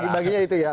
baginya itu ya